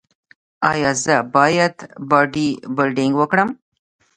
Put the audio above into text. ایا زه باید باډي بلډینګ وکړم؟